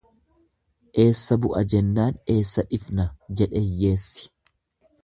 Eessa bu'a jennaan eessa dhifna jeche hiyyeessi.